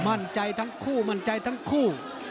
มั่นใจทั้งคู่มั่นใจทั้งคู่